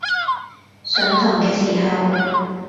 上堂嘅時候